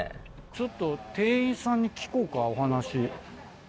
ちょっと店員さんに聞こうかお話。